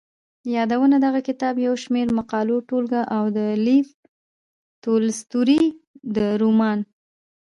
يادونه دغه کتاب د يو شمېر مقالو ټولګه او د لېف تولستوري د رومان.